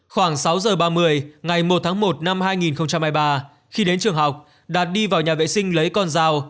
khoảng sáu giờ ba mươi ngày một tháng một năm hai nghìn hai mươi ba khi đến trường học đạt đi vào nhà vệ sinh lấy con dao